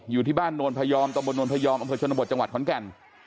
อยู่ที่บ้านโนนพยอมตะบนนวลพยอมอำเภอชนบทจังหวัดขอนแก่น